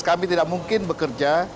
kami tidak mungkin bekerja